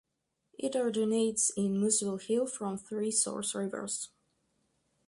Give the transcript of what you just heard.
It originates in Muswell Hill from three source rivers.